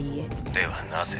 ではなぜ。